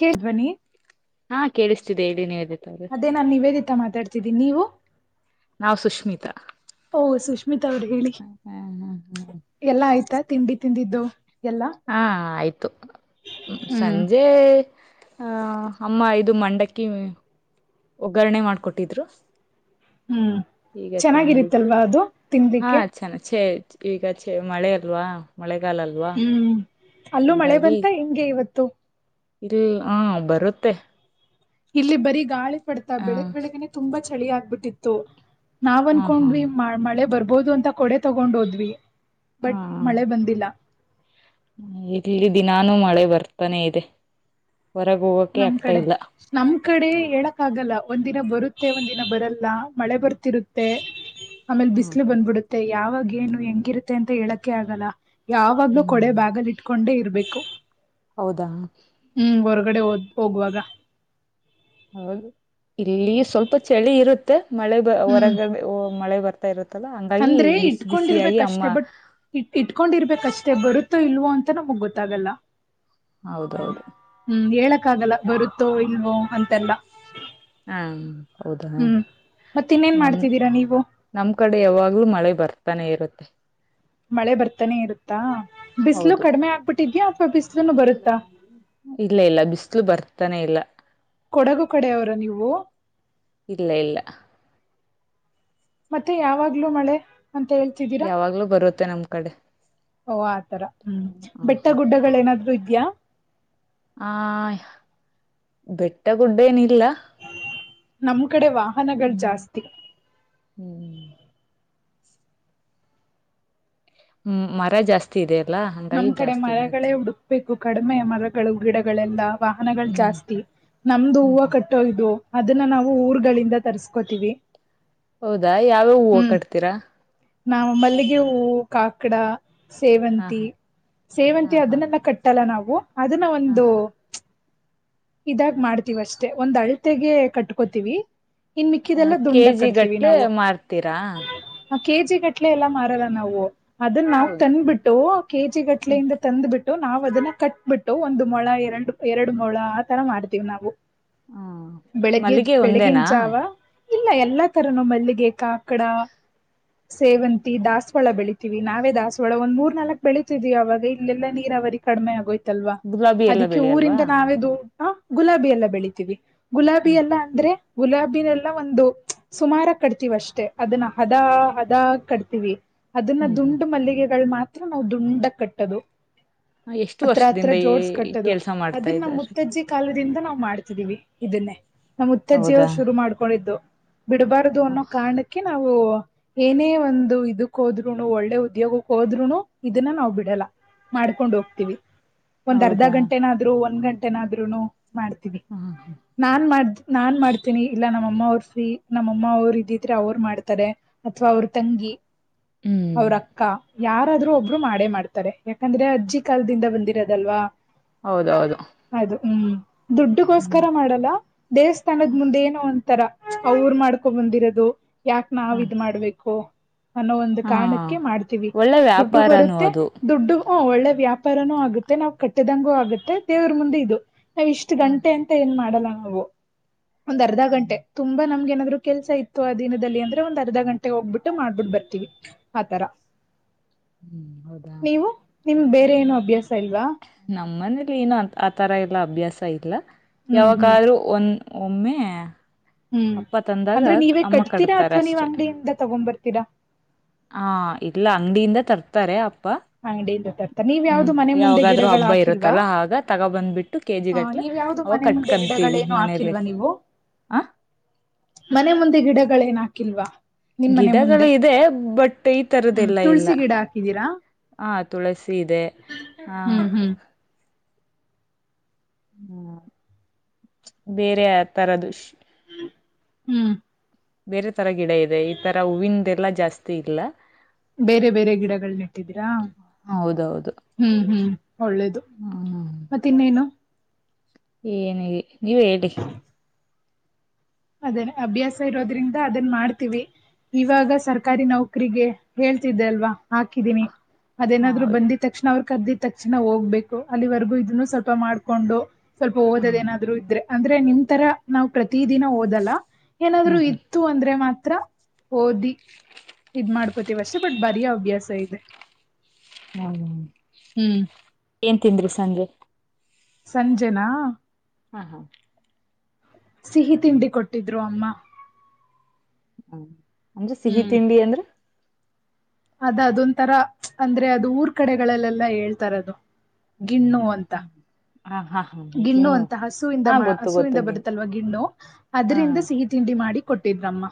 ಕೇಳ ಬನ್ನಿ ಹಾ ಕೇಳಿಸ್ತಿದೆ ಹೇಳಿ ನಿವೇದಿತ. ಮತ್ತೆ ನಾನ್ ನಿವೇದಿತ ಮಾತಾಡ್ತಿದ್ದೀನಿ ನೀವು. ನಾವು ಸುಶ್ಮಿತಾ. ಓಹೋ ಸುಶ್ಮಿತಾ ಅವ್ರು ಹೇಳಿ. ಹಾ ಹಾ. ಎಲ್ಲ ಆಯ್ತಾ ತಿಂಡಿ ತಿಂದಿದ್ದು ಎಲ್ಲಾ. ಹಾ ಆಯ್ತು ಹ್ಮ್ ಸಂಜೆ. ಹಾ ಅಮ್ಮ ಇದು ಮಂಡಕ್ಕಿ. ಒಗ್ಗರಣೆ ಮಾಡ್ಕೊಟ್ಟಿದ್ರು. ಹ್ಮ್ ಈಗ ತಿಂದುಬಿಟ್ಟು ಚೆನ್ನಾಗಿರಿತ್ತಲ್ವಾ ಅದು ಹಾ ತಿನ್ಲಿಕ್ಕೆ ಚೆನ್ನ ಚೇ ಈಗ ಮಳೆ ಅಲ್ವಾ. ಮಳೆಗಾಲ ಅಲ್ವಾ ಹ್ಮ್ ಅಲ್ಲೂ ಮಳೆ ಹಂಗಾಗಿ. ಬಂತ ಹೆಂಗೆ ಇವತ್ತು [unintelligible] ಹಾ ಬರುತ್ತೆ. ಇಲ್ಲಿ ಬರೀ ಗಾಳಿಪಡ್ತಾ ಹ ಬೆಳಗ್ ಬೆಳಗ್ನೆ ತುಂಬಾ ಚಳಿ ಆಗ್ಬಿಟ್ಟಿತ್ತು. ನಾವ್ ಹಾ ಹಾ ಅನ್ಕೊಂಡ್ರಿ ಮಳೆ ಬರ್ಬೋದು ಅಂತ ಕೊಡೆ ತಕೊಂಡು ಹೋದ್ವಿ. ಹಾ ಬಟ್ ಮಳೆ ಬಂದಿಲ್ಲ. ಇಲ್ಲಿ ದಿನಾನು ಮಳೆ ಬರ್ತಾನೆ ಇದೆ ಹೊರಗ ಹೋಗೋಕೆ ನಮ್ ಆಗ್ತಾ ಕಡೆ ಇಲ್ಲ. ನಮ್ ಕಡೆ ಹೇಳಕ ಆಗಲ್ಲ ಒಂದ ದಿನ ಬರುತ್ತೆ ಒಂದ ದಿನ ಬರಲ್ಲ ಮಳೆ ಬರ್ತಿರುತ್ತೆ. [inaudible] ಆಮೇಲ್ ಬಿಸ್ಲು ಬಂದ್ಬಿಡುತ್ತೆ ಯಾವಾಗ ಏನು ಹೆಂಗಿರುತ್ತೆ ಅಂತ ಹೇಳಕೆ ಆಗಲ್ಲ. ಯಾವಾಗ್ಲೂ ಕೊಡೆ ಹ್ಮ್ ಬ್ಯಾಗಲಿ ಇಟ್ಕೊಂಡೆ ಇರ್ಬೇಕು. ಹೌದಾ ಹ್ಮ್ ಹೊರಗಡೆ ಹೋಗ್ ಹೋಗುವಾಗ. ಹೌದು ಇಲ್ಲಿ ಸ್ವಲ್ಪ ಚಳಿ ಇರುತ್ತೆ ಮಳೆ ಹ್ಮ್ ಹೊರಗಡೆ ಮಳೆ ಬರ್ತೆ. ಇರುತ್ತಲ್ಲ ಹಂಗಾಗಿ ಬಿಸಿ ಬಿಸಿಯಾಗಿ ಅಮ್ಮ. ಇ ಇಟ್ಕೊಂಡಿರ್ಬೇಕ ಅಷ್ಟೇ ಬರುತ್ತೋ ಇಲ್ವೋ ಅಂತ ನಮಗ್ ಗೊತ್ತಾಗಲ್ಲ. ಹೌದೌದು ಹ್ಮ್ ಹೇಳಕ್ಕ ಆಗಲ್ಲ ಬರುತ್ತೋ ಇಲ್ವೋ ಅಂತೆಲ್ಲ. ಹಾ ಹೌದಾ ಹ್ಮ್ ಮತ್ತ ಇನ್ನೇನ್ ನಮ್ ಮಾಡ್ತಿದ್ದೀರಾ ನೀವು. ನಮ್ ಕಡೆ ಯಾವಾಗ್ಲೂ ಮಳೆ ಬರ್ತಾನೆ ಇರುತ್ತೆ. ಮಳೆ ಬರ್ತಾನೆ ಇರುತ್ತಾ ಬಿಸ್ಲು ಹೌದು ಕಡಿಮೆ ಆಗ್ಬಿಟ್ಟಿದ್ಯಾ ಅಥವಾ ಬಿಸ್ಲುನು ಬರುತ್ತಾ. ಇಲ್ಲ ಇಲ್ಲ ಬಿಸಲು ಬರ್ತಾನೆಯಿಲ್ಲ. ಕೊಡಗು ಕಡೆ ಅವರಾ ನೀವು. ಇಲ್ಲ ಇಲ್ಲ. ಮತ್ತೆ ಯಾವಾಗಲೂ ಮಳೆ ಅಂತ ಹೇಳ್ತಿರಾ. ಯಾವಾಗ್ಲೂ ಬರುತ್ತೆ ನಮ್ಮ ಕಡೆ. ಓಹೋ ಆತರ ಹ್ಮ್ ಬೆಟ್ಟ ಹ್ಮ್. ಗುಡ್ಡಗಳು ಏನಾದ್ರೂ ಇದಿಯಾ. ಆ ಬೆಟ್ಟ ಗುಡ್ಡ ಏನಿಲ್ಲ. ನಮ್ಮ ಕಡೆ ವಾಹನಗಳು ಹ್ಮ್ ಜಾಸ್ತಿ. ಹ್ಮ್. ಹ್ಮ್ ಮರ ಜಾಸ್ತಿ. ಇದೆ ಅಲ್ಲಾ. ನಮ್ಮ ಕಡೆ ಮರಗಳೇ ಹುಡುಕಬೇಕು ಕಡಿಮೆ ಮರಗಳು ಗಿಡಗಳೆಲ್ಲಾ ವಾಹನಗಳು ಹ್ಮ್ ಜಾಸ್ತಿ. ನಮ್ದು ಹ್ಮ್ ಹೂವ ಹ್ಮ್ ಕಟ್ಟೋ ಇದು ಅದನ್ನ ನಾವು ಊರುಗಳಿಂದ ತರಿಸಿಕೊಳುತಿವಿ. ಹೌದಾ ಯಾವ್ಯಾವ ಹೂವು ಕಟ್ತೀರಾ ನಾವು ಮಲ್ಲಿಗೆ ಹೂವು ಕಾಕಡ ಹಾ ಸೇವಂತಿ ಹಾ ಸೇವಂತಿ ಹಾ ಅದನ್ನೆಲ್ಲ ಕಟ್ಟಲ್ಲ ನಾವು ಅದನ್ನ ಹಾ ಒಂದೂ ಇದ್ದಾಗ್ ಮಾಡ್ತೀವಿ ಅಷ್ಟೇ ಒಂದ್ ಅಳ್ತೆಗೆ ಕಟ್ ಕೋತೀವಿ ಇನ್ ಹಾ ಮಿಕ್ಕಿದೆಲ್ಲ ದುಂಡಕ್ ಕೆಜಿ ಕಟ್ತೀವಿ ಗಟ್ಲೆ ನಾವು ಮಾರ್ತೀರಾ ಆ ಕೆಜಿ ಗಟ್ಲೆ ಎಲ್ಲ ಮಾರಲ್ಲ ನಾವು ಅದನ್ನ ನಾವು ಹೌದು ತಂದ್ಬಿಟ್ಟು ಕೆಜಿ ಹ್ಮ್ ಗಟ್ಲೆಯಿಂದ ತಂದ್ಬಿಟ್ ನಾವು ಅದನ್ನ ಕಟ್ಬಿಟ್ಟು ಒಂದು ಮೊಳ ಎರಡು ಎರಡು ಮೊಳ ಆ ತರ ಮಾಡ್ತೀವಿ ನಾವು ಹಾ ಬೆಳಗ್ಗೆದ್ ಮಲ್ಲಿಗೆ ಬೆಳಗಿನ ಒಂದೇನಾ ಜಾವ ಇಲ್ಲ ಎಲ್ಲಾ ತರನೂ ಮಲ್ಲಿಗೆ, ಕಾಕಡ ಸೇವಂತಿ ದಾಸವಾಳ ಬೇಳಿತೇವಿ ನಾವೇ ದಾಸವಾಳ ಒಂದ್ ಮೂರ್ ನಾಲ್ಕು ಬೆಳೀತಿದೀವಿ ಅವಾಗ ಇಲ್ಲೆಲ್ಲ ನೀರಾವರಿ ಕಡಿಮೆ ಆಗೊಯ್ತು ಅಲ್ವಾ ಗುಲಾಬಿ ಎಲ್ಲ ಅದಿಕ್ಕೆ ಬೆಳೆಯಲ್ವಾ ಊರಿಂದ ನಾವೇ ದು ಅ ಗುಲಾಬಿ ಎಲ್ಲ ಬೆಳಿತೇವಿ ಗುಲಾಬಿ ಹ್ಮ್ ಎಲ್ಲ ಅಂದ್ರೆ ಗುಲಾಬಿನೆಲ್ಲ ಒಂದು ಸುಮಾರಾಗಿ ಕಟ್ತತೇವಿ ಅಷ್ಟೆ ಅದನ್ನ ಹದಾ ಹದಾಗ ಕಟ್ಟತೀವಿ ಅದನ್ನ ಹ್ಮ್ ಹ್ಮ್ ದುಂಡು ಮಲ್ಲಿಗೆಗಳು ಮಾತ್ರ ನಾವು ದುಂಡಾಗಿ ಕಟ್ಟದು ಹಾ, ಎಷ್ಟು ಹತ್ರ ಹತ್ರ ವರ್ಷದಿಂದ ಜೋಡ್ಸ್ ಈ ಕಟ್ಟದು ಕೆಲ್ಸ ಮಾಡ್ತಾ ಅದನ್ನ ನಮ್ಮ ಇದ್ದಾರೆ ಮುತ್ತಜ್ಜಿ ಕಾಲದಿಂದ ನಾವ್ ಮಾಡ್ತಿದೀವಿ ಇದನ್ನೇ ನಮ್ಮ್ ಹೌದಾ ಉುತ್ತಜ್ಜಿಯವ್ರು ಶುರು ಮಾಡ್ಕೊಂಡಿದ್ದು ಬಿಡಬಾರದು ಬಿಡಬಾರದು ಹ, ಅನ್ನೋ ಕಾರಣಕ್ಕೆ ಕೆ ನಾವು ಏನೇ ಒಂದು ಇದಕ್ ಹೋದ್ರುನು ಒಳ್ಳೆ ಉದ್ಯೋಗಕ್ಕೆ ಹೋದ್ರುನು ಇದನ್ನ ನಾವು ಬಿಡಲ್ಲ ಮಾಡ್ಕೊಂಡ್ ಹೋಗ್ತೀವಿ ಒಂದ್ ಅರ್ಧ ಹೌದಾ ಗಂಟೆನಾದ್ರು ಒಂದ್ ಗಂಟೆ ಏನಾದ್ರೂನು ಮಾಡ್ತೀವಿ ಹಾ ಹ ಹಾ ನಾನು ಮಾಡ್ತ್ ನಾನ್ ಮಾಡತ್ತೀನಿ ಇಲ್ಲ ನಮ್ ಅಮ್ಮ ಅವ್ರು ಫ್ರೀ ನಮ್ಮ ಅಮ್ಮ ಅವರು ಇದರೆ ಅವರು ಮಾಡತಾರೆ ಅಥವಾ ಅವ್ರ ತಂಗಿ ಹ್ಮ್ ಅವ್ರ ಅಕ್ಕ ಯಾರಾದ್ರೂ ಒಬ್ ಇಬ್ರು ಮಾಡೇ ಮಾಡ್ತಾರೆ ಯಾಕಂದ್ರೆ ಅಜ್ಜಿ ಕಾಲದಿಂದ ಬಂದಿರೋದಲ್ವಾ ಹೌದ್ ದೌದು ಅದು ಹ್ಮ್ ದುಡ್ಡುಗೋಸ್ಕರ ಮಾಡಲ್ಲ ದೇವಸ್ಥಾನದ ಮುಂದೆ ಏನು ಒಂತರ ಅವರು ಮಾಡ್ಕೊ ಬಂದಿರೋದು ಯಾಕೆ ನಾವು ಹ ಇದ್ ಮಾಡ್ಬೇಕು ಅನ್ನೋ ಒಂದು ಕಾರಣಕ್ಕೆ ಮಾಡ್ತೀವಿ ಒಳ್ಳೇ ವ್ಯಾಪ್ ದುಡ್ಡು ಬರುತ್ತೆ ದುಡ್ಡು ಹೂ ಒಳ್ಳೆ ವ್ಯಾಪಾರನೂ ಆಗುತ್ತೆ ನಾವು ಕಟ್ಟದಂಗೂ ಆಗತ್ತೆ ದೇವರ ಮುಂದೆ ಇದು ನಾವ ಇಷ್ಟು ಹ ಗಂಟೆ ಅಂತ ಏನ್ ಮಾಡಲ್ಲ ನಾವು ಒಂದ್ ಅರ್ಧ ಹ್ಮ್ ಗಂಟೆ ತುಂಬಾ ನಮ್ಗೆ ಏನಾದ್ರು ಕೆಲಸ ಇತ್ತು ಆ ದಿನದಲ್ಲಿ ಅಂದ್ರ ಒಂದ ಅರ್ಧ ಗಂಟೆಗೆ ಹೋಗ್ಬಿಟ್ಟು ಮಾಡಬಿಟು ಬರ್ತೀವಿ ಆತರ ಹ್ಮ್ ಹೌದ ನೀವು ನಿಮ್ಗೆ ಬೇರೆ ಏನು ಅಭ್ಯಾಸ ಇಲ್ವಾ ನಮ್ಮ್ ಮನೇಲಿ ಏನ್ ಆ ತರ ಎಲ್ಲ ಅಭ್ಯಾಸ ಇಲ್ಲ ಹ್ಮ್ ಹ್ಮ್ ಯಾವಾಗಾದ್ರರು ಒನ್ ಒಮ್ಮೆ ಹ್ಮ್ ಅಪ್ಪ ತಂದಾಗ ಅಂದ್ರೆ ನೀವೇ ಅಮ್ಮ ಕಟ್ತೀರಾ ಕಟ್ತಾರೆ ಅಥವಾ ನೀವ್ ಅಷ್ಟೆ ಅಂಗಡಿಯಿಂದ ತಗೊಂಡ್ ಬರ್ತೀರಾ ಹಾ ಇಲ್ಲ ಅಂಗಡಿಯಿಂದ ತರ್ತಾರೆ ಅಪ್ಪ ಅಂಗಡಿಯಿಂದ ತರ್ತ ನೀವ್ ಹ್ಮ್ ಯಾವ್ದು ಮನೆ ಮುಂದೆ ಯಾವಾಗಾದ್ರು ಗಿಡಗಳು ಹಬ್ಬ ಹಾಕಿಲ್ವಾ ಇರುತ್ತಲ್ಲ ಆಗ ತಗೋ ಬಂದ್ಬಿಟ್ಟು ಕೆಜಿ ಆ ಗಟ್ಲೆ ನೀವ್ ಯಾವ್ದು ಅವಾಗ ಮನೆ ಮುಂದೆ ಕಟ್ಕಂತೀವಿ ಗಿಡಗಳೇನು ಮನೇಲಿ ಹಾಕಿಲ್ವಾ ನೀವು ಹಾ ಮನೆ ಮುಂದೆ ಗಿಡಗಳೇನ್ ಹಾಕಿಲ್ವಾ ನಿನ್ ಮನೆ ಗಿಡಗಳು ಮುಂದೆ ಇದೆ ಬಟ್ ಈ ಹ್ಮ್ ತುಳಸಿ ಗಿಡ ಹಾಕಿದ್ದೀರಾ ಹಾ ತುಳಸಿ ಇದೆ ಹ ಹ್ಮ್ ಹ್ಮ್ ಹ್ಮ್ ಬೇರೆ ಯಾ ತರದು. ಹ್ಮ್ ಬೇರೆ ತರ ಗಿಡ ಇದೆ ಈ ತರ ಹೂವಿನದ್ ಎಲ್ಲಾ ಜಾಸ್ತಿ ಇಲ್ಲ. ಬೇರೆ ಬೇರೆ ಗಿಡಗಳನ್ನು ನೆಟ್ಟಿದೀರಾ. ಹೌದೌದು ಹ್ಮ್ ಹ್ಮ್ ಒಳ್ಳೇದು ಹ್ಮ್ ಮತ್ತೆ ನೀನು. ಏನುಹೇಳಿ ನೀವೆ ಹೇಳಿ. ಅದೇನ್ ಅಭ್ಯಾಸ ಇರೋದ್ರಿಂದ ಅದನ್ ಮಾಡ್ತೀವಿ. ಇವಾಗ ಸರ್ಕಾರಿ ನೌಕರಿಗೆ ಹೇಳ್ತಿದ್ದೆ ಅಲ್ವಾ ಹಾಕಿದೀನಿ ಅದೇನಾದ್ರು ಹೌದು ಬಂದಿ ತಕ್ಷಣ ಅವ್ ಕರೆದಿದ್ದ ತಕ್ಷಣ ಹೋಗಬೇಕು ಅಲ್ಲಿವರೆಗೂ ಇದನ್ನು ಸ್ವಲ್ಪ ಮಾಡ್ಕೊಂಡು ಸ್ವಲ್ಪ ಓದ ಹ್ಮ್ ಏನಾದ್ರೂ ಇದ್ರೆ ಅಂದ್ರೆ ನಿಮ್ ತರ ನಾವ್ ಪ್ರತಿ ದಿನ ಓದಲ್ಲ ಏನಾದ್ರರು ಹ್ಮ್ ಇ ತ್ತು ಅಂದ್ರೆ ಮಾತ್ರ ಓದಿ. [inaudible] ಇದ್ ಮಾಡ್ಕೋತಿವಷ್ಟೇ ಬಟ್ ಬರಿಯೊ ಅಭ್ಯಾಸ ಇದೆ. ಹ್ಮ ಹ್ಮ್ ಏನ್ ತಿಂದ್ರಿ ಸಂಜೆ. ಸಂಜೆನಾ ಹ ಹೂ ಸಿಹಿ ತಿಂಡಿ ಕೊಟ್ಟಿದ್ರು ಅಮ್ಮ. ಹ್ಮ ಅಂದ್ರೆ ಸಿಹಿ ಹ್ಮ್ ತಿಂಡಿ ಅಂದ್ರೆ. ಅದ ಅದೊಂತರ ಅಂದ್ರೆ ಅದು ಊರ್ ಕಡೆಗಳಲ್ಲೆಲ್ಲ ಹೇಳ್ತಾರೆ ಅದು ಗಿಣ್ಣು. ಅಂತ ಹ್ಮ ಹ ಹಾ ಗಿಣ್ಣು ಅಂತ ಹಸುವಿಂದ ಹಾ ಗೊತ್ತು ಹಸುವಿಂದ ಗೊತ್ತು ಗಿಣ್ಣು ಬರುತ್ತಲ್ವ ಗಿಣ್ಣು ಹಾ ಅದರಿಂದ ಸಿಹಿ. ತಿಂಡಿ ಮಾಡಿ ಕೊಟ್ಟಿದ್ರಮ್ಮ.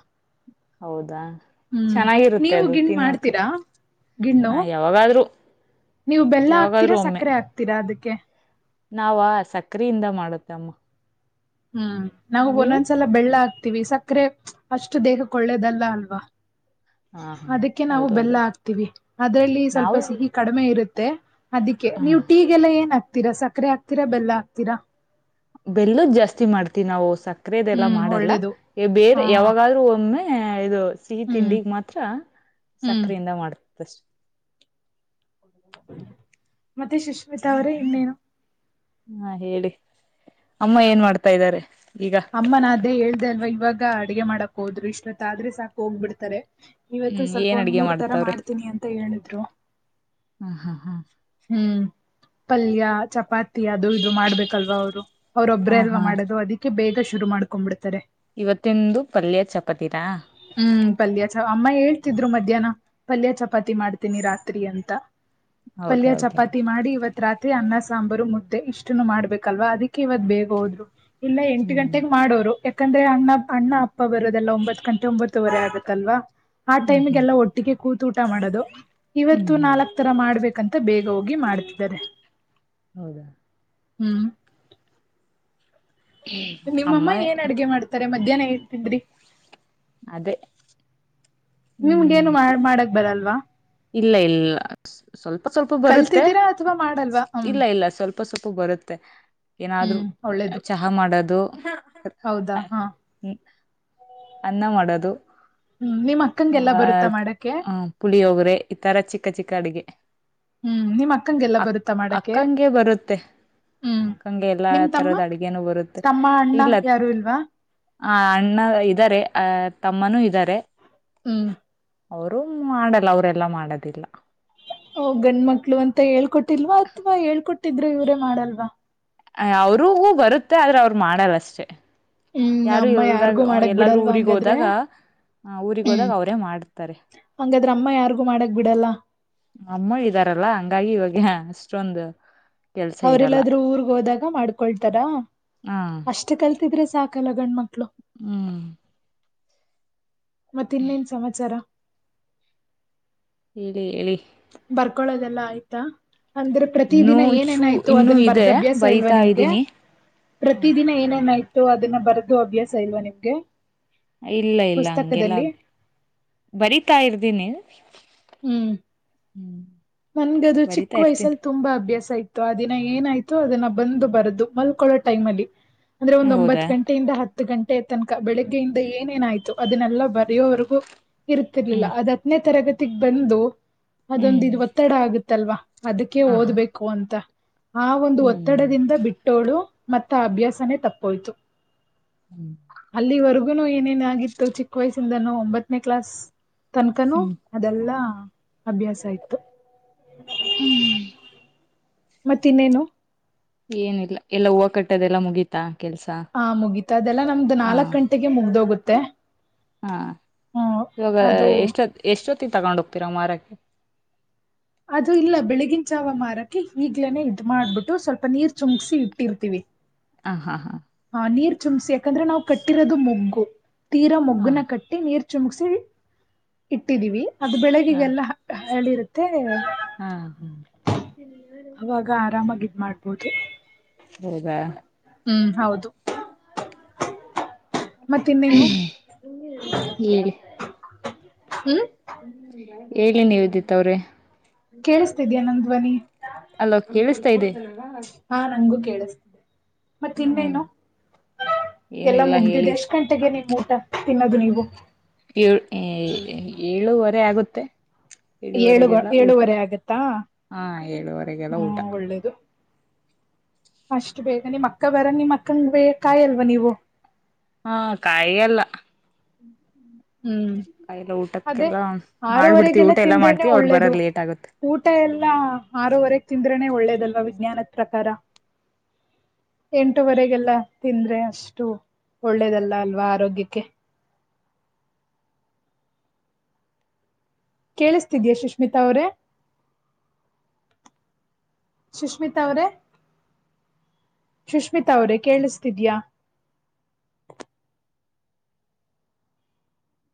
ಹೌದಾ ಹ್ಮ್ ಚೆನ್ನಾಗಿರುತ್ತೆ ನೀವು ಅದು ಗಿಣ್ ತಿನ್ನೋಕ್ ಮಾಡ್ತೀರಾ ಗಿಣ್ಣು ಯಾವಾಗಾದ್ರೂ. ನೀವು ಬೆಲ್ಲ ಯಾವಾಗಾದ್ರೂ ಹಾಕ್ತೀರಾ ಒಮ್ಮೆ ಸಕ್ಕರೆ ಹಾಕ್ತೀರಾ ಅದಕ್ಕೆ. ನಾವ ಸಕ್ರೆಯಿಂದ ಮಾಡುತ್ತಮ್ಮ. ಹ್ಮ್ ನಾವು ಒಂದೊಂದ್ಸಲ ಬೆಲ್ಲ ಹಾಕ್ತಿವಿ ಸಕ್ಕರೆ ಅಷ್ಟು ದೇಹಕ್ಕೆ ಒಳ್ಳೇದಲ್ಲ ಅಲ್ವಾ. ಹಾ ಹಾ ಅದಕ್ಕೆ ನಾವು ಬೆಲ್ಲ ಹೌದೌದು ಹಾಕ್ತೀವಿ ಅದ್ರಲ್ಲಿ ಸ್ವಲ್ಪ ನಾವು ಸಿಹಿ. ಕಡಿಮೆ ಇರುತ್ತೆ ಅದಕ್ಕೆ ಆ ನೀವು ಟೀ ಗೆಲ್ಲ ಏನ್ ಹಾಕ್ತೀರಾ ಸಕ್ಕರೆ ಹಾಕ್ತೀರಾ ಬೆಲ್ಲ ಹಾಕ್ತೀರಾ. ಬೆಲ್ಲದ್ ಜಾಸ್ತಿ ಮಾಡ್ತಿವಿ ನಾವು ಸಕ್ಕರೆದೆಲ್ಲಾ ಹ್ಮ್ ಮಾಡಲ್ಲ ಒಳ್ಳೇದು ಬೇರೆ ಹಾ ಯಾವಾಗಾದ್ರು ಒಮ್ಮೆ. ಇದು ಸಿಹಿ ಹ್ಮ್ ತಿಂಡಿಗ್ ಮಾತ್ರ ಹ್ಮ್ ಸಕ್ಕರೆಯಿಂದ ಮಾಡತ್ ಷ್ಟೆ. ಮತ್ತೆ ಸುಶ್ಮಿತಾ ಅವ್ರೇ ಇನ್ನೇನು. ಹಾ ಹೇಳಿ ಅಮ್ಮ ಏನ್ ಮಾಡ್ತಾ ಇದ್ದಾರೆ ಈಗ. ಅಮ್ಮನ ಅದೇ ಹೇಳ್ದೆ ಅಲ್ವ ಇವಾಗ ಅಡುಗೆ ಮಾಡಕ್ ಹೋದ್ರು ಇಷ್ಟೊತ್ತಾದ್ರೆ ಸಾಕು ಹೋಗ್ಬಿಡ್ತಾರೆ. ಇವತ್ತು ಹ್ಮ್ ಸ್ವಲ್ಪ ಏನ್ ಒಂದ್ ಅಡ್ಗೆ ಮೂರ್ ತರ ಮಾಡತ್ತವ್ರೆ ಮಾಡ್ತೀನಿ ಅಂತ ಹೇಳಿದ್ರು. ಹಾ ಹಾ ಹಾ ಹ್ಮ್ ಪಲ್ಯ ಚಪಾತಿ ಅದು ಇದು ಮಾಡ್ಬೇಕಲ್ವಾ ಅವ್ರು. ಹಾ ಅವರೊಬ್ಬರೇ ಅಲ್ವಾ ಹಾ ಮಾಡೋದು ಅದಕ್ಕೆ ಬೇಗ ಶುರು ಮಾಡ್ಕೊಂಡ್ಬಿಡ್ತಾರೆ. ಇವತ್ತಿಂದು ಪಲ್ಯ ಚಪಾತೀ ನಾ. ಹ್ಮ್ ಪಲ್ಯ ಚ ಅಮ್ಮ ಹೇಳ್ತಿದ್ರು ಮಧ್ಯಾಹ್ನ ಪಲ್ಯ ಚಪಾತಿ ಮಾಡ್ತೀನಿ ರಾತ್ರಿ ಅಂತ. ಪಲ್ಯ ಹೌದೌದು ಚಪಾತಿ ಮಾಡಿ ಇವತ್ತು. ರಾತ್ರಿ ಅನ್ನ ಸಾಂಬಾರು ಮುದ್ದೆ ಇಷ್ಟುನು ಮಾಡ್ಬೇಕಲ್ವಾ ಅದಿಕ್ಕೆ ಇವತ್ ಬೇಗ ಹೋದ್ರು. ಇಲ್ಲ ಎಂಟು ಹ್ಮ್ ಗಂಟೆಗೆ ಮಾಡೋರು ಯಾಕಂದ್ರೆ ಅಣ್ಣ ಅಣ್ಣ ಅಪ್ಪ ಬರೋದೆಲ್ಲಾ ಒಂಬತ್ತು ಗಂಟೆ ಂಬತ್ತುವರೆ ಆಗಲ್ವಾ ಆ ಹ್ಮ್ ಹ್ಮ್ ಟೈಮಗೆಲ್ಲ ಒಟ್ಟಿಗೆ ಕೂತ ಊಟ ಮಾಡೋದು ಹ್ಮ್ ಇವತ್ತು ಹ್ಮ್ ನಾಲ್ಕು ಇತರ ಮಾಡ್ಬೇಕಂತ ಬೇಗ ಹೋಗಿ ಮಾಡ್ತಿದ್ದಾರೆ. ಹೌದಾ ಹ್ಮ್ ಅಮ್ಮ ನಿಮ್ಮಮ್ಮ ಏನ್ ಅಡ್ಗೆ ಮಾಡ್ತಾರೆ ಮಧ್ಯಾಹ್ನ ಏನು ತಿಂದ್ರಿ ಅದೇ ನಿಮ್ಗ ಹ್ಮ್ ಏನು ಮಾಡ ಮಾಡಕ್ ಬರಲ್ವಾ ಇಲ್ಲ ಇಲ್ಲ ಸ್ವಲ್ಪ ಸ್ವಲ್ಪ ಬರುತ್ತೆ ಕಲ್ತಿದ್ದೀರಾ ಅಥವಾ ಮಾಡಲ್ವಾ ಹ್ಮ್ ಇಲ್ಲ ಇಲ್ಲ ಸ್ವಲ್ಪ ಸೊಪ್ಪು ಬರುತ್ತೆ ಏನಾದ್ರರು ಹ್ಮ್ ಒಳ್ಳೇದು ಹ ಮಾಡೋದು ಹೌದಾ ಹಾ ಹ್ಮ್ ಅನ್ನ ಮಾಡೋದು ಹ್ಮ್ ನಿಮ್ಮತ್ತ ಹ ಪುಳಿಯೋಗರೆ ಈ ತರ ಚಿಕ್ಕ ಚಿಕ್ಕ ಅಡಗೆ ಹ್ಮ್ ನಿಮ್ ಅಕ್ಕಂಗೆಲ್ಲ ಅಕ್ಕ ಬರುತ್ತಾ ಮಾಡಕ್ಕೆ ಅಕ್ಕಂಗೆ ಬರುತ್ತೆ ಹ್ಮ್ ಅಕ್ಕನಿಗೆ ಎಲ್ಲಾ ನಿಮ್ ತಮ್ಮ ತರದ ಅಡ್ಗೆನು ಬರುತ್ತೆ ತಮ್ಮ ಅಣ್ಣ ಇಲ್ಲ ಯಾರು ಇಲ್ವಾ ಆ ಅಣ್ಣ ಇದ್ದಾರೆ ಅ ತಮ್ಮನೂ ಇದ್ದಾರೆ ಹ್ಮ ಅವರು ಮಾಡಲ್ಲ ಅವರೆಲ್ಲ ಮಾಡದಿಲ್ಲ ಹೋ ಗಂಡ ಮಕ್ಳು ಅಂತ ಹೇಳ್ಕೊಟ್ಟಿಲ್ವಾ ಅಥವಾ ಹೇಳ್ಕೊಟ್ಟಿದ್ರೆ ಇವರೇ ಮಾಡಲ್ವಾ ಅವ್ರರಿಗೂ ಬರುತ್ತೆ ಆದ್ರೆ ಅವ್ರು ಮಾಡಲ್ಲಷ್ಟೆ ಹ್ಮ್ ಯಾರು ಅಮ್ಮ ಯಾರ್ಗೂ ಇಲ್ದಾಗ ಮಾಡಕ್ ಎಲ್ಲಾದ್ರೂ ಬಿಡಲ್ವಾ ಊರಿಗ್ ಹಂಗಾದ್ರೆ ಹೋದಾಗ ಹ ಊರಿಗ್ ಹ್ಮ್ ಹೋದಾಗ ಅವರೇ ಮಾಡ್ತಾರೆ ಹಂಗಾದ್ರ ಅಮ್ಮ ಯಾರ್ಗೂ ಮಾಡಕ್ ಬಿಡಲ್ಲ ಅಮ್ಮ ಇದಾರಲ್ಲ ಹಂಗಾಗಿ ಇವಾಗ ಅಷ್ಟೊಂದು ಕೆಲ್ಸ ಇರಲ್ಲ ಅವ್ರಲ್ಲಾದ್ರೂ ಊರ್ಗ್ ಹೋದಾಗ ಮಾಡ್ಕೊಳ್ತಾರ ಹ ಅಷ್ಟ್ ಕಲ್ತಿದ್ರೆ ಸಾಕಲ್ಲ ಗಂಡ್ಮಕ್ಳು ಹ್ಮ್ ಮತ್ತ ಇನ್ನೇನ್ ಸಮಾಚಾರ ಹೇಳಿ ಹೇಳಿ ಬರ್ಕೊಳೋದೆಲ್ಲ ಆಯ್ತಾ ಅಂದ್ರೆ ಪ್ರತಿ ಇನ್ನೂ ದಿನ ಚೂ ಏನೇನಾಯ್ತು ಇನ್ನೂ ಅದನ್ ಇದೆ ಬರ್ದ ಅಭ್ಯಾಸ ಇಲ್ವಾ ಬೈತಾ ನಿಮ್ಗೆ ಇದ್ದೀನಿ ಹ ಪ್ರತಿದಿನ ಏನೇನಾಯ್ತು ಅದನ್ನ ಬರೆದು ಅಭ್ಯಾಸ ಇಲ್ವಾ ನಿಮ್ಗೆ ಇಲ್ಲ ಇಲ್ಲ ಹಂಗೆಲ್ಲ ಪುಸ್ತಕದಲ್ಲಿ ಬರಿತಾ ಇರ್ದೀನಿ ಹ್ಮ್ ಹ್ಮ್ ನನ್ಗದು ಚಿಕ್ಕ ಬರಿತಾ ವಯಸ್ಸಲ್ ಇರ್ತೀನಿ ತುಂಬಾ ಅಭ್ಯಾಸ ಇತ್ತು ಅ ದಿನ ಏನಾಯ್ತು ಅದನ್ನ ಬಂದು ಬರದು ಮಲ್ಕೊಳ್ಳೋ ಟೈಮ್ ಅಲ್ಲಿ ಅಂದ್ರೆ ಒಂದ ಒಂಬತ್ ಹೌದಾ ಗಂಟೆಯಿಂದ ಹತ್ತು ಗಂಟೆ ತನಕ ಬೆಳಿಗ್ಗೆಯಿಂದ ಏನೇನಾಯ್ತು ಅದನ್ನೆಲ್ಲ ಬರೆಯೋವರೆಗೂ ಇರ್ತಿರ್ಲಿಲ್ಲ ಹ್ಮ್ ಅದ್ ಹತ್ತನೇ ತರಗತಿಗೆ ಬಂದು ಹ್ಮ್ ಅದೊಂದು ಇವ ಒತ್ತಡ ಆಗುತ್ತಲ್ವಾ ಅದಕ್ಕೆ ಹ ಹಾ ಓದ್ಬೇಕು ಅಂತ ಆ ಒಂದು ಹ್ಮ್ ಒತ್ತಡದಿಂದ ಬಿಟ್ಟೋಳು ಮತ್ತ ಆ ಅಭ್ಯಾಸನೇ ತಪ್ಪೋಯ್ತು ಹ್ಮ್ ಅಲ್ಲಿವರೆಗುನು ಏನೇನ ಆಗಿತ್ತು ಚಿಕ್ಕ ವಯಸ್ಸಿಂದನ ಒಂಬತ್ತನೇ ಕ್ಲಾಸ್ ತನಕನುೂ ಹ್ಮ್ ಅದೆಲ್ಲಾ ಅಭ್ಯಾಸ ಇತ್ತು ಹ್ಮ್ ಮತ್ತ ಇನ್ನೇನು ಏನಿಲ್ಲ ಎಲ್ಲಾ ಹೂವು ಕಟ್ಟೋದೆಲ್ಲ ಮುಗಿ ಆಯ್ತಾ ಕೆಲಸ ಹಾ ಮುಗೀತ ಅದೆಲ್ಲ ನಮ್ದ್ ನಾಲ್ಕ್ ಗಂಟೆಗೆ ಮುಗ್ದೋಗುತ್ತೆ ಹಾಂ ಹ್ಮ ಇವಾಗ ಅದು ಎಷ್ಟೊತ್ತ ಎಷ್ಟೊತ್ತಿಗೆ ತಗೊಂಡ ಹೋಗ್ತೀರಾ ಮಾರೋಕ್ಕೆ? ಅದು ಇಲ್ಲ ಬೆಳಿಗಿನ ಜಾವ ಮಾರಕೆ ಈಗ್ಲೇನೆೇ ಇದ ಮಾಡ್ಬಿಟ್ಟು ಸ್ವಲ್ಪ ನೀರ್ ಚುಂಕ್ಸಿ ಇಟ್ಟಿರ್ತೀವಿ. ಹ್ಮ್ ಹಾ ಹಾ ಹ ನೀರ್ ಚುಮ್ಸಿ ಯಾಕಂದ್ರೆ ನಾವ್ ಕಟ್ಟಿರೋದು ಮೊಗ್ಗು ತೀರಾ ಹಾ ಮೊಗ್ಗುನ ಕಟ್ಟ ಇಟ್ಟಿ ನೀರು ಚುಮಸಿ ಇಟ್ಟಿದೀವಿ. ಅದು ಹಾ ಬೆಳ್ಗಿಗೆಲ್ಲ ಹರಳ್ಳಿರುತ್ತೆ [inaudible] ಹಾ ಅವಗ ಗ ಆರಾಮಾಗಿ ಇದ ಮಾಡ್ಬೋದು. ಹೌದಾ? ಹ್ಮ್ ಹೌದು. ಮತ್ತ ಇನ್ನೇನು ಹೇಳಿ ಹ್ಮ್ ಹೇಳಿ ನಿವೇದಿತಾ ಅವ್ರೆ. ಕೇಳಿಸ್ತಿದ್ಯಾ ನನ್ ಧ್ವನಿ ಅಲೋ ಕೇಳಿಸ್ತಾ ಇದೆ ಹಾ ನಂಗಗೂ ಕೇಳಿಸ್ತಿ ಮತ್ ಹ್ಮ ಇನ್ನೇನು ಏನು ಎಲ್ಲ ಇಲ್ಲ ಮುಗ್ದಿದೆ ಹೇಳಿ ಎಷ್ಟ್ ಗಂ ಟ್ಟೆಗೆ ನಿಮ್ ಊಟ ತಿನ್ನೋದು ನೀವು? ಏಳು ಏ ಏಳುವರೆ ಆಗುತ್ತೆ. ಏಳು ಳುವರೆಗೆಲ್ಲ ಊಟ ಏಳುವರೆ ಆಗತ್ತಾ ಹಾ ಏಳುವರೆಗೆಲ್ಲ ಊಟ. ಹ್ಮ್ ಒಳ್ಳೇದು ಅಷ್ಟು ಬೇಗ ನಿಮ್ ಅಕ್ಕ ಬರ ನಿಮ್ ಅಕ್ಕನ್ಗೆ ಕಾಯಲ್ವಾ ನೀವು? ಹ್ಮ್ ಕಾಯಲ್ಲ. ಹ್ಮ ಹ್ಮ್ ಹ್ಮ [unintelligible] ಊಟಕ್ಕೆ ಅದೇ ಬಾ ಮಾಡ್ಬಿಡ್ತಿವಿ ಆರವರೆಗೆಲ್ಲ ಊಟ ಎಲ್ಲ ತಿಂದ್ರೆನೆ ಮಾಡ್ತಿವಿ ಅವ್ರರು ಒಳ್ಳೇದು ಬರದ ಲೇಟ್ ಆಗುತ್ತೆ. ಊಟ ಎಲ್ಲ ಆರೂವರೆಗೆ ತಿಂದ್ರನೆ ಒಳ್ಳೇದಲ್ವಾ ವಿಜ್ಞಾನದ ಪ್ರಕಾರ. ಎಂಟುವರೆಗೆಲ್ಲ ತಿಂದ್ರೆ ಅಷ್ಟು ಒಳ್ಳೇದಲ್ಲ ಅಲ್ವಾ ಆರೋಗ್ಯಕ್ಕೆ. ಕೇಳಿಸ್ತಿದಿಯಾ ಸುಶ್ಮಿತಾ ಅವ್ರೆ? ಸುಶ್ಮಿತಾ ಅವ್ರೇ ಸುಷ್ಮಿತಾ ಅವ್ರೇ ಕೇಳಿಸ್ತಿದ್ಯಾ?